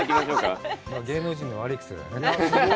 芸能人の悪い癖だよね。